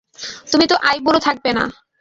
তুমি তো আইবুড়ো থাকবে না?